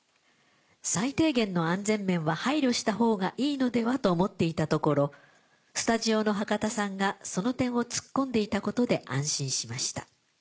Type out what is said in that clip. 最低限の安全面は配慮したほうがいいのではと思っていたところスタジオの博多さんがその点をツッコんでいたことで安心しました。